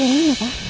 tidak ada apa apa